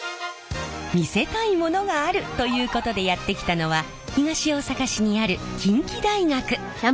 見せたいものがある！ということでやって来たのは東大阪市にある近畿大学！